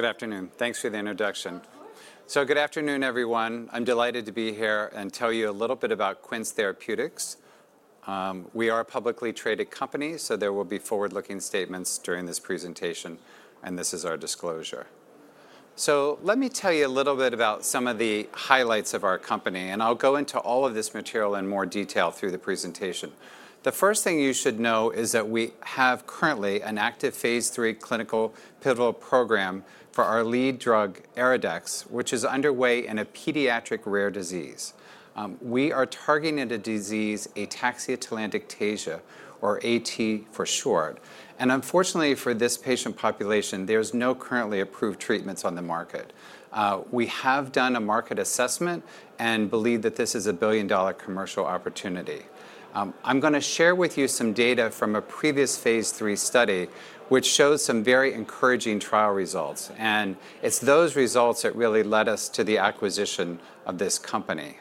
Good afternoon. Thanks for the introduction. So, good afternoon, everyone. I'm delighted to be here and tell you a little bit about Quince Therapeutics. We are a publicly traded company, so there will be forward-looking statements during this presentation, and this is our disclosure. So, let me tell you a little bit about some of the highlights of our company, and I'll go into all of this material in more detail through the presentation. The first thing you should know is that we have currently an active phase III clinical pivotal program for our lead drug, EryDex, which is underway in a pediatric rare disease. We are targeting a disease, ataxia-telangiectasia, or A-T for short. And unfortunately for this patient population, there are no currently approved treatments on the market. We have done a market assessment and believe that this is a $1 billion commercial opportunity. I'm going to share with you some data from a previous phase III study, which shows some very encouraging trial results, and it's those results that really led us to the acquisition of this company.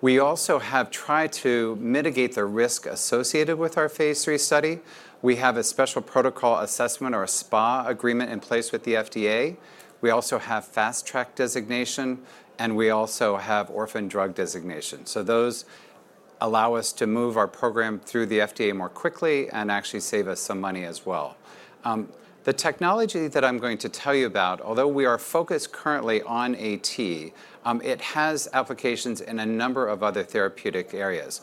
We also have tried to mitigate the risk associated with our phase III study. We have a Special Protocol Assessment, or a SPA agreement, in place with the FDA. We also have Fast Track designation, and we also have Orphan Drug Designation. So, those allow us to move our program through the FDA more quickly and actually save us some money as well. The technology that I'm going to tell you about, although we are focused currently on A-T, it has applications in a number of other therapeutic areas.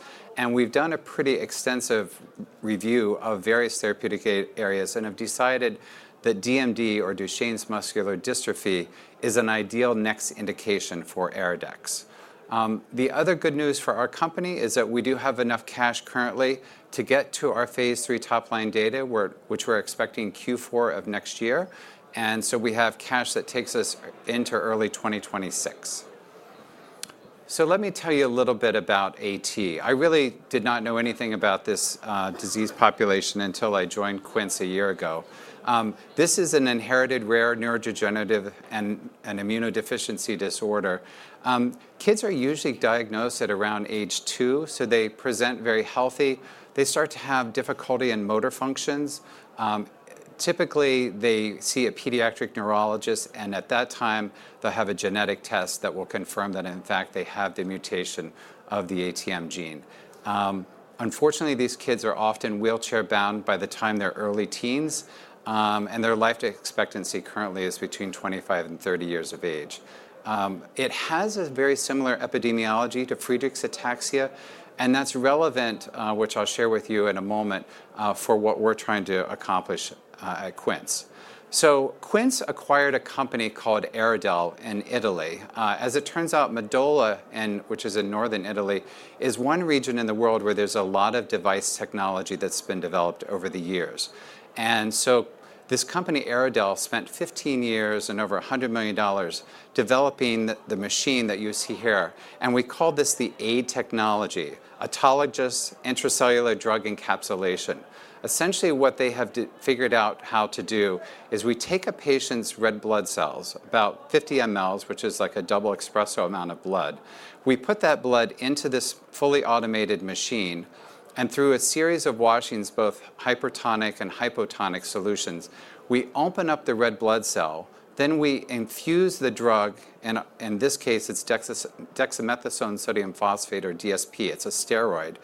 We've done a pretty extensive review of various therapeutic areas and have decided that DMD, or Duchenne's muscular dystrophy, is an ideal next indication for EryDex. The other good news for our company is that we do have enough cash currently to get to our phase III top-line data, which we're expecting Q4 of next year. And so, we have cash that takes us into early 2026. So, let me tell you a little bit about A-T. I really did not know anything about this disease population until I joined Quince a year ago. This is an inherited rare neurodegenerative and immunodeficiency disorder. Kids are usually diagnosed at around age two, so they present very healthy. They start to have difficulty in motor functions. Typically, they see a pediatric neurologist, and at that time, they'll have a genetic test that will confirm that, in fact, they have the mutation of the ATM gene. Unfortunately, these kids are often wheelchair-bound by the time they're early teens, and their life expectancy currently is between 25 and 30 years of age. It has a very similar epidemiology to Friedreich's ataxia, and that's relevant, which I'll share with you in a moment, for what we're trying to accomplish at Quince. So, Quince acquired a company called EryDel in Italy. As it turns out, Mirandola, which is in northern Italy, is one region in the world where there's a lot of device technology that's been developed over the years. And so, this company, EryDel, spent 15 years and over $100 million developing the machine that you see here. And we call this the AIDE technology, Autologous Intracellular Drug Encapsulation. Essentially, what they have figured out how to do is we take a patient's red blood cells, about 50 ml, which is like a double espresso amount of blood. We put that blood into this fully automated machine, and through a series of washings, both hypertonic and hypotonic solutions, we open up the red blood cell, then we infuse the drug, and in this case, it's dexamethasone sodium phosphate, or DSP. It's a steroid,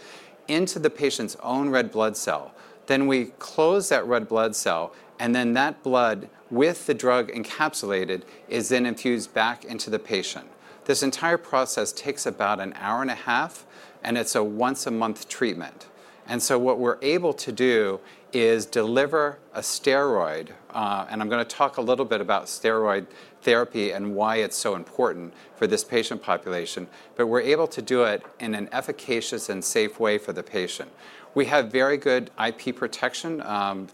into the patient's own red blood cell. Then we close that red blood cell, and then that blood, with the drug encapsulated, is then infused back into the patient. This entire process takes about an hour and a half, and it's a once-a-month treatment. And so, what we're able to do is deliver a steroid, and I'm going to talk a little bit about steroid therapy and why it's so important for this patient population, but we're able to do it in an efficacious and safe way for the patient. We have very good IP protection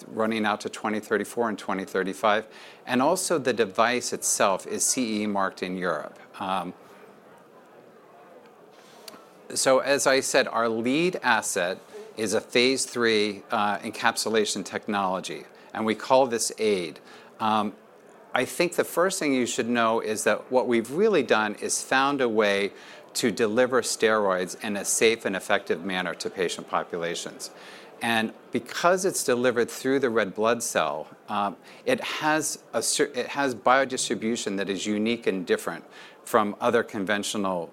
running out to 2034 and 2035, and also the device itself is CE marked in Europe. So, as I said, our lead asset is a phase III encapsulation technology, and we call this AIDE. I think the first thing you should know is that what we've really done is found a way to deliver steroids in a safe and effective manner to patient populations. And because it's delivered through the red blood cell, it has biodistribution that is unique and different from other conventional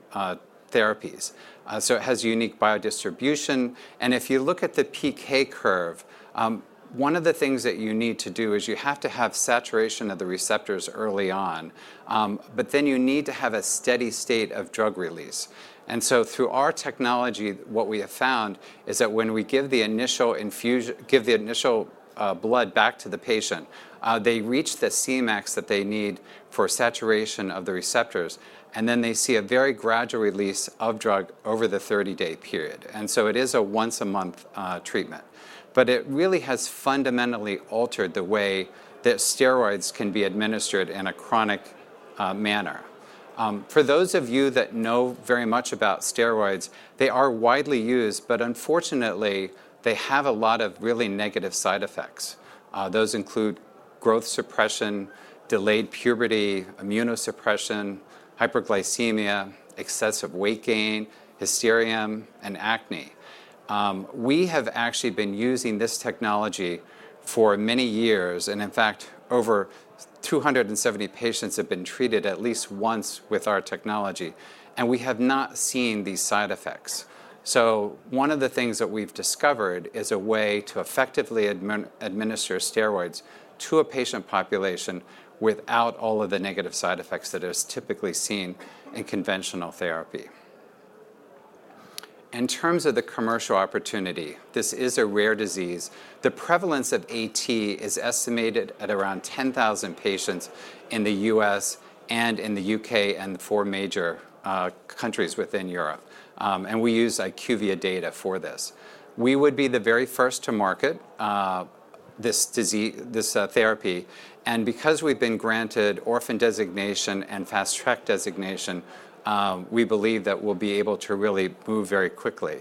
therapies. So, it has unique biodistribution. And if you look at the PK curve, one of the things that you need to do is you have to have saturation of the receptors early on, but then you need to have a steady state of drug release. And so, through our technology, what we have found is that when we give the initial infusion, give the initial blood back to the patient, they reach the Cmax that they need for saturation of the receptors, and then they see a very gradual release of drug over the 30-day period. And so, it is a once-a-month treatment, but it really has fundamentally altered the way that steroids can be administered in a chronic manner. For those of you that know very much about steroids, they are widely used, but unfortunately, they have a lot of really negative side effects. Those include growth suppression, delayed puberty, immunosuppression, hyperglycemia, excessive weight gain, hysterium, and acne. We have actually been using this technology for many years, and in fact, over 270 patients have been treated at least once with our technology, and we have not seen these side effects. So, one of the things that we've discovered is a way to effectively administer steroids to a patient population without all of the negative side effects that are typically seen in conventional therapy. In terms of the commercial opportunity, this is a rare disease. The prevalence of A-T is estimated at around 10,000 patients in the U.S. and in the U.K. and the four major countries within Europe, and we use IQVIA data for this. We would be the very first to market this therapy, and because we've been granted Orphan Designation and Fast Track designation, we believe that we'll be able to really move very quickly.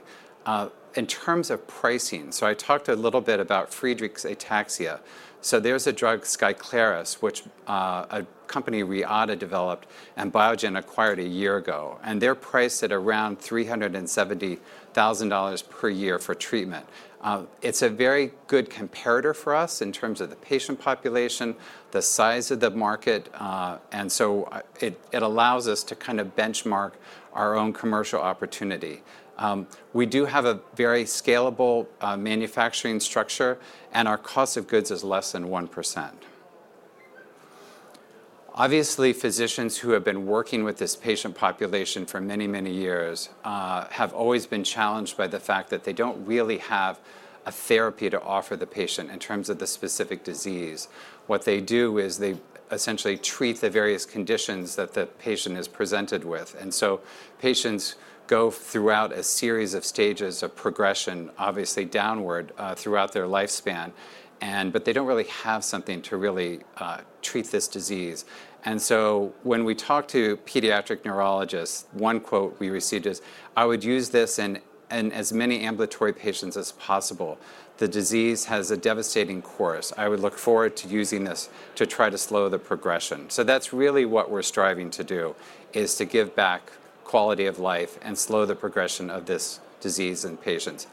In terms of pricing, so I talked a little bit about Friedreich's ataxia. So, there's a drug, Skyclarys, which a company, Reata, developed and Biogen acquired a year ago, and they're priced at around $370,000 per year for treatment. It's a very good comparator for us in terms of the patient population, the size of the market, and so it allows us to kind of benchmark our own commercial opportunity. We do have a very scalable manufacturing structure, and our cost of goods is less than 1%. Obviously, physicians who have been working with this patient population for many, many years have always been challenged by the fact that they don't really have a therapy to offer the patient in terms of the specific disease. What they do is they essentially treat the various conditions that the patient is presented with, and so patients go throughout a series of stages of progression, obviously downward throughout their lifespan, but they don't really have something to really treat this disease. And so, when we talk to pediatric neurologists, one quote we received is, "I would use this in as many ambulatory patients as possible. The disease has a devastating course. I would look forward to using this to try to slow the progression." So, that's really what we're striving to do, is to give back quality of life and slow the progression of this disease in patients.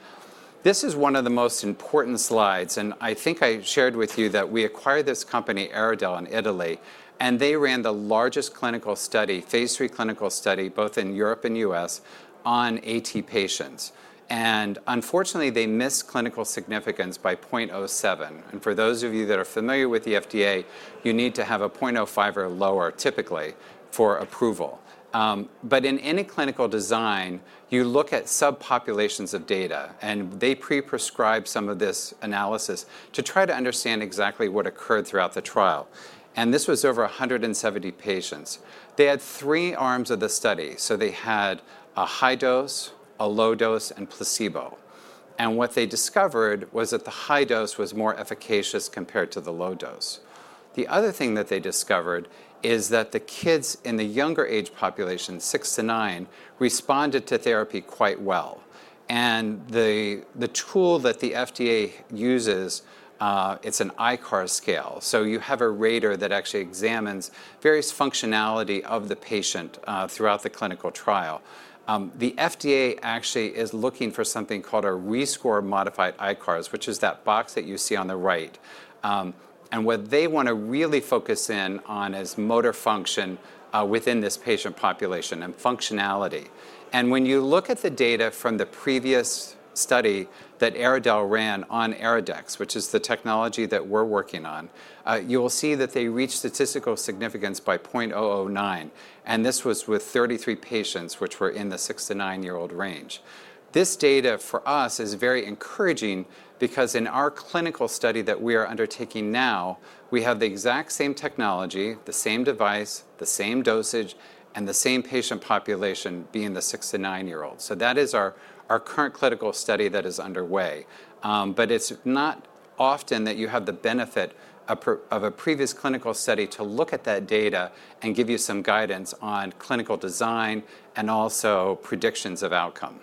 This is one of the most important slides, and I think I shared with you that we acquired this company, EryDel, in Italy, and they ran the largest clinical study, phase III clinical study, both in Europe and the U.S. on A-T patients. And unfortunately, they missed statistical significance by 0.07, and for those of you that are familiar with the FDA, you need to have a 0.05 or lower typically for approval. But in any clinical design, you look at subpopulations of data, and they pre-specified some of this analysis to try to understand exactly what occurred throughout the trial. And this was over 170 patients. They had three arms of the study, so they had a high dose, a low dose, and placebo. And what they discovered was that the high dose was more efficacious compared to the low dose. The other thing that they discovered is that the kids in the younger age population, 6 to 9, responded to therapy quite well. And the tool that the FDA uses, it's an ICARS scale, so you have a rater that actually examines various functionality of the patient throughout the clinical trial. The FDA actually is looking for something called a rescored Modified ICARS, which is that box that you see on the right. And what they want to really focus in on is motor function within this patient population and functionality. And when you look at the data from the previous study that EryDel ran on EryDex, which is the technology that we're working on, you will see that they reached statistical significance by 0.009, and this was with 33 patients which were in the 6 to 9-year-old range. This data for us is very encouraging because in our clinical study that we are undertaking now, we have the exact same technology, the same device, the same dosage, and the same patient population being the six- to nine-year-olds. So, that is our current clinical study that is underway, but it's not often that you have the benefit of a previous clinical study to look at that data and give you some guidance on clinical design and also predictions of outcome.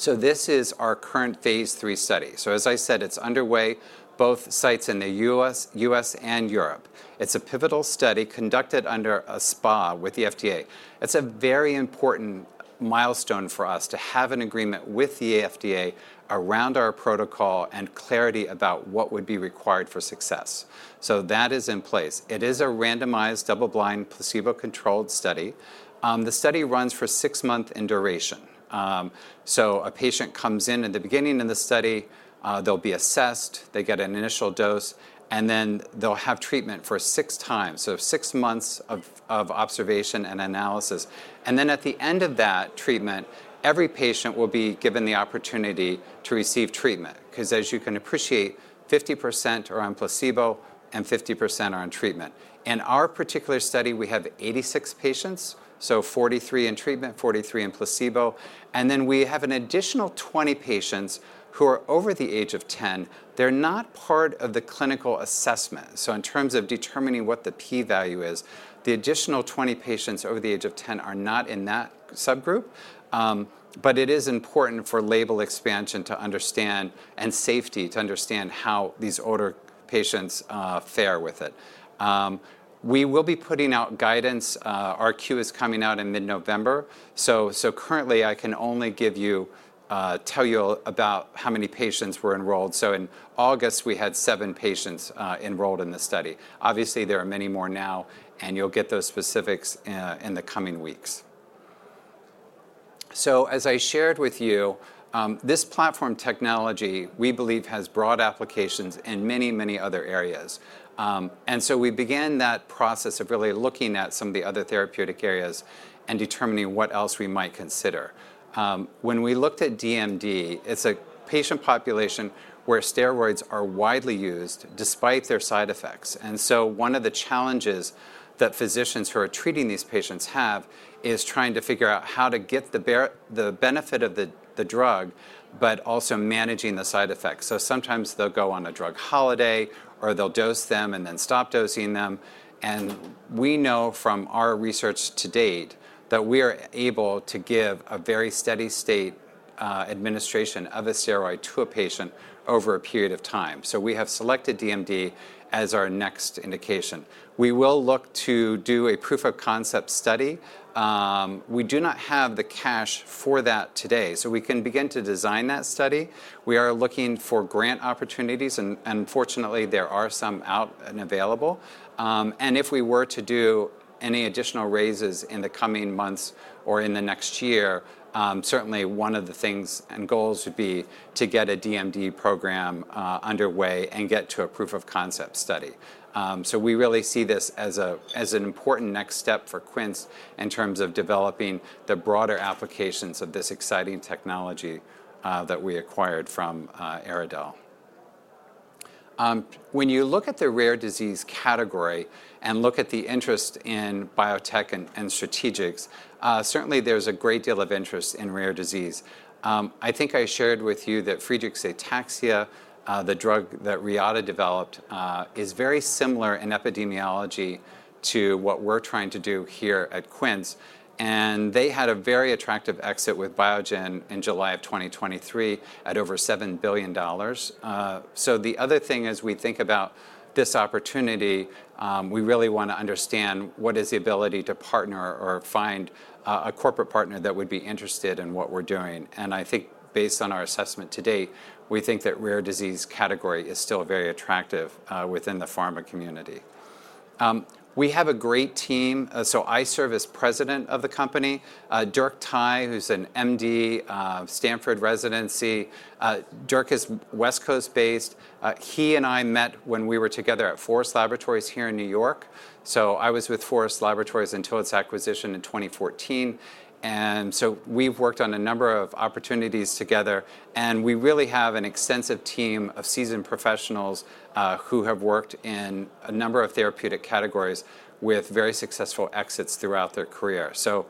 So, this is our current phase III study. So, as I said, it's underway, both sites in the U.S. and Europe. It's a pivotal study conducted under a SPA with the FDA. It's a very important milestone for us to have an agreement with the FDA around our protocol and clarity about what would be required for success. So, that is in place. It is a randomized, double-blind, placebo-controlled study. The study runs for six months in duration. So, a patient comes in at the beginning of the study, they'll be assessed, they get an initial dose, and then they'll have treatment for 6x, so six months of observation and analysis, and then at the end of that treatment, every patient will be given the opportunity to receive treatment because, as you can appreciate, 50% are on placebo and 50% are on treatment. In our particular study, we have 86 patients, so 43 in treatment, 43 in placebo, and then we have an additional 20 patients who are over the age of 10. They're not part of the clinical assessment, so in terms of determining what the P value is, the additional 20 patients over the age of 10 are not in that subgroup, but it is important for label expansion to understand and safety to understand how these older patients fare with it. We will be putting out guidance. Our 10-Q is coming out in mid-November, so currently, I can only give you, tell you about how many patients were enrolled. So, in August, we had seven patients enrolled in the study. Obviously, there are many more now, and you'll get those specifics in the coming weeks. So, as I shared with you, this platform technology we believe has broad applications in many, many other areas. And so, we began that process of really looking at some of the other therapeutic areas and determining what else we might consider. When we looked at DMD, it's a patient population where steroids are widely used despite their side effects, and so, one of the challenges that physicians who are treating these patients have is trying to figure out how to get the benefit of the drug but also managing the side effects, so sometimes they'll go on a drug holiday or they'll dose them and then stop dosing them, and we know from our research to date that we are able to give a very steady state administration of a steroid to a patient over a period of time, so we have selected DMD as our next indication. We will look to do a proof of concept study. We do not have the cash for that today, so we can begin to design that study. We are looking for grant opportunities, and unfortunately, there are some out and available. If we were to do any additional raises in the coming months or in the next year, certainly one of the things and goals would be to get a DMD program underway and get to a proof of concept study. We really see this as an important next step for Quince in terms of developing the broader applications of this exciting technology that we acquired from EryDel. When you look at the rare disease category and look at the interest in biotech and strategics, certainly there's a great deal of interest in rare disease. I think I shared with you that Friedreich's ataxia, the drug that Reata developed, is very similar in epidemiology to what we're trying to do here at Quince, and they had a very attractive exit with Biogen in July of 2023 at over $7 billion. So, the other thing as we think about this opportunity, we really want to understand what is the ability to partner or find a corporate partner that would be interested in what we're doing. And I think based on our assessment to date, we think that rare disease category is still very attractive within the pharma community. We have a great team. So, I serve as president of the company. Dirk Thye, who's an MD, Stanford residency. Dirk is West Coast based. He and I met when we were together at Forest Laboratories here in New York. So, I was with Forest Laboratories until its acquisition in 2014. And so, we've worked on a number of opportunities together, and we really have an extensive team of seasoned professionals who have worked in a number of therapeutic categories with very successful exits throughout their career. So,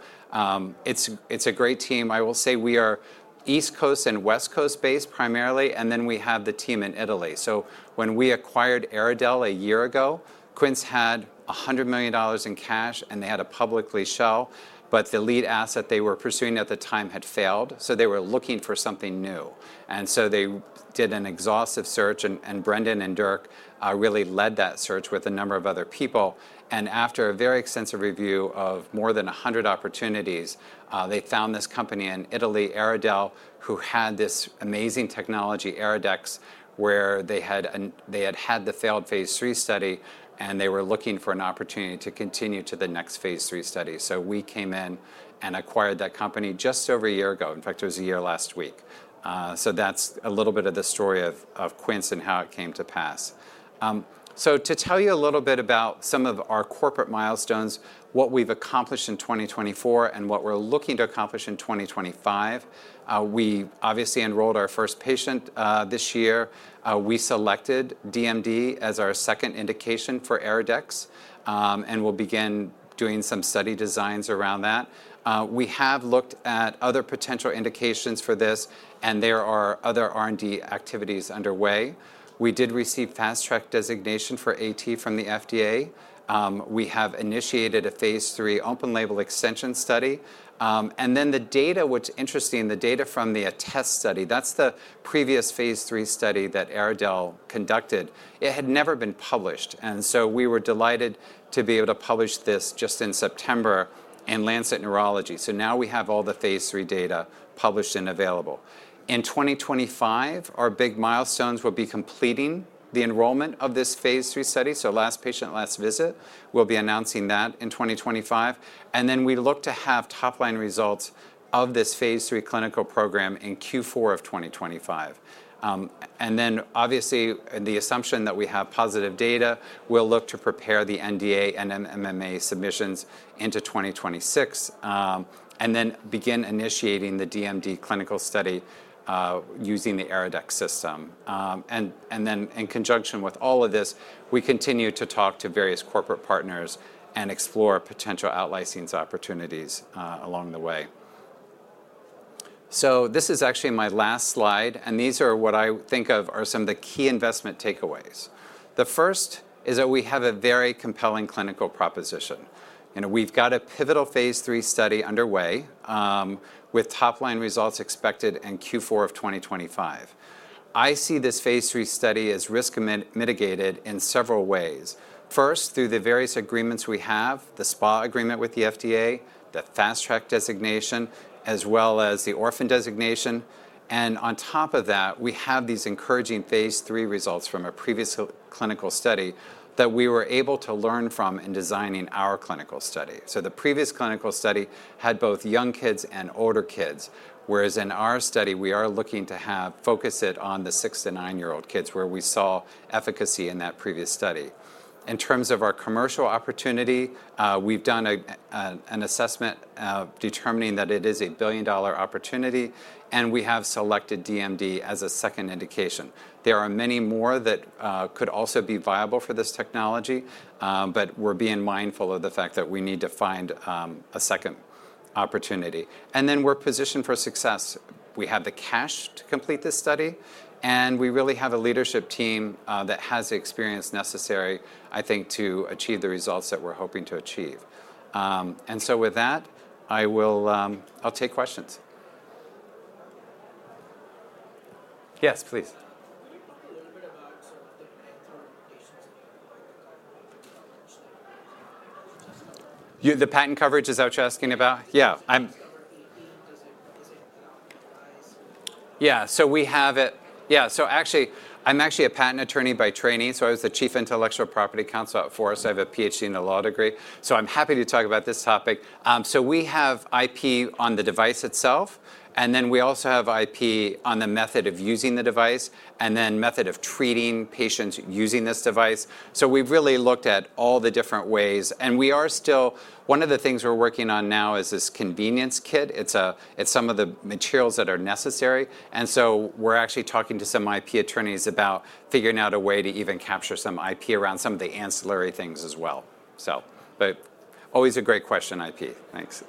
it's a great team. I will say we are East Coast and West Coast based primarily, and then we have the team in Italy. So, when we acquired EryDel a year ago, Quince had $100 million in cash, and they had a public shell, but the lead asset they were pursuing at the time had failed, so they were looking for something new. And so, they did an exhaustive search, and Brendan and Dirk really led that search with a number of other people. And after a very extensive review of more than 100 opportunities, they found this company in Italy, EryDel, who had this amazing technology, EryDex, where they had had the failed phase III study, and they were looking for an opportunity to continue to the next phase III study. So, we came in and acquired that company just over a year ago. In fact, it was a year last week. That's a little bit of the story of Quince and how it came to pass. To tell you a little bit about some of our corporate milestones, what we've accomplished in 2024 and what we're looking to accomplish in 2025, we obviously enrolled our first patient this year. We selected DMD as our second indication for EryDex, and we'll begin doing some study designs around that. We have looked at other potential indications for this, and there are other R&D activities underway. We did receive Fast Track designation for A-T from the FDA. We have initiated a phase III open label extension study. The data, what's interesting, the data from the ATTEST study, that's the previous phase III study that EryDel conducted, it had never been published. We were delighted to be able to publish this just in September in Lancet Neurology. So, now we have all the phase III data published and available. In 2025, our big milestones will be completing the enrollment of this phase III study, so last patient, last visit. We'll be announcing that in 2025. And then we look to have top-line results of this phase III clinical program in Q4 of 2025. And then, obviously, the assumption that we have positive data, we'll look to prepare the NDA and MAA submissions into 2026 and then begin initiating the DMD clinical study using the EryDex system. And then, in conjunction with all of this, we continue to talk to various corporate partners and explore potential out-licensing opportunities along the way. So, this is actually my last slide, and these are what I think are some of the key investment takeaways. The first is that we have a very compelling clinical proposition. We've got a pivotal phase III study underway with top-line results expected in Q4 of 2025. I see this phase III study as risk mitigated in several ways. First, through the various agreements we have, the SPA agreement with the FDA, the Fast Track Designation, as well as the Orphan Designation, and on top of that, we have these encouraging phase III results from a previous clinical study that we were able to learn from in designing our clinical study, so the previous clinical study had both young kids and older kids, whereas in our study, we are looking to focus it on the 6- to 9-year-old kids where we saw efficacy in that previous study. In terms of our commercial opportunity, we've done an assessment determining that it is a $1 billion opportunity, and we have selected DMD as a second indication. There are many more that could also be viable for this technology, but we're being mindful of the fact that we need to find a second opportunity. Then we're positioned for success. We have the cash to complete this study, and we really have a leadership team that has the experience necessary, I think, to achieve the results that we're hoping to achieve. So, with that, I'll take questions. Yes, please. Can we talk a little bit about sort of the the patent coverage that you're going to write the patent coverage? The patent coverage is what you're asking about? Yeah. Is it about device? Yeah. So, we have it. Yeah. So, actually, I'm a patent attorney by training, so I was the chief intellectual property counsel at Forest Laboratories.I have a PhD and a law degree, so I'm happy to talk about this topic. So, we have IP on the device itself, and then we also have IP on the method of using the device and then method of treating patients using this device. So, we've really looked at all the different ways, and we are still, one of the things we're working on now is this convenience kit. It's some of the materials that are necessary. And so, we're actually talking to some IP attorneys about figuring out a way to even capture some IP around some of the ancillary things as well. So, but always a great question, IP. Thanks.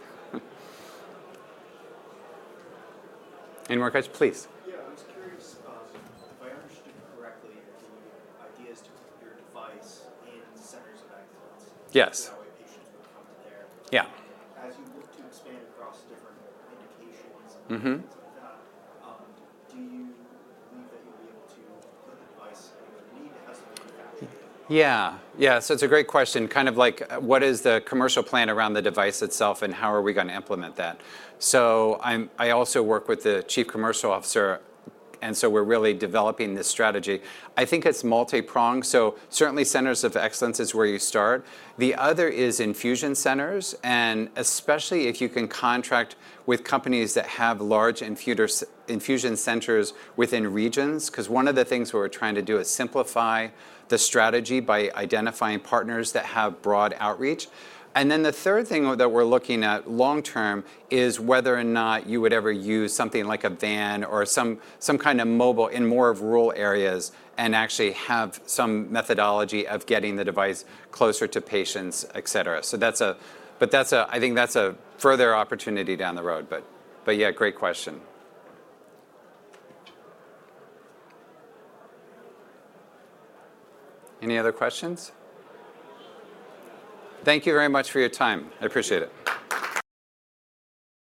Any more questions? Please. Yeah. I was curious, if I understood you correctly, the idea is to put your device in centers of excellence. Yes. And that way, patients would come to there. Yeah. As you look to expand across different indications and things like that, do you believe that you'll be able to put the device anywhere you need? It has to be manufactured. Yeah. Yeah. So, it's a great question. Kind of like, what is the commercial plan around the device itself, and how are we going to implement that? So, I also work with the chief commercial officer, and so we're really developing this strategy. I think it's multi-pronged. So, certainly, centers of excellence is where you start. The other is infusion centers, and especially if you can contract with companies that have large infusion centers within regions, because one of the things we're trying to do is simplify the strategy by identifying partners that have broad outreach. And then the third thing that we're looking at long-term is whether or not you would ever use something like a van or some kind of mobile in more of rural areas and actually have some methodology of getting the device closer to patients, etc. So, but I think that's a further opportunity down the road. But yeah, great question. Any other questions? Thank you very much for your time. I appreciate it.